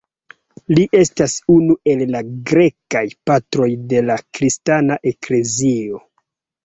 Li estas unu el la Grekaj Patroj de la kristana eklezio.